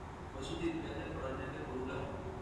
Fue sustituida temporalmente por Ulla Hoffmann.